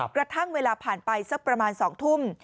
กระทั่งเวลาผ่านไปสักประมาณ๒ทุ่ม